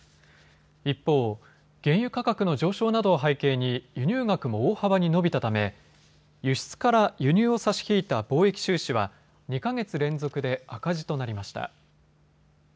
一方、原油価格の上昇などを背景に輸入額も大幅に伸びたため輸出から輸入を差し引いた貿易収支は２か月連続で赤字となりました。